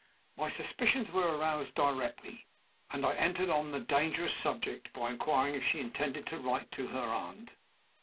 My suspicions were aroused directly, and I entered on the dangerous subject by inquiring if she intended to write to her aunt.